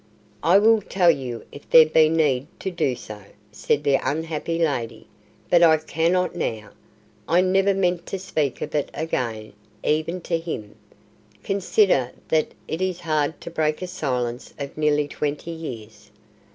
"I will tell you if there be need to do so," said the unhappy lady. "But I cannot now. I never meant to speak of it again, even to him. Consider that it is hard to break a silence of nearly twenty years.